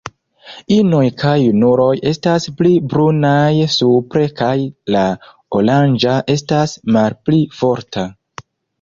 Inoj kaj junuloj estas pli brunaj supre kaj la oranĝa estas malpli forta.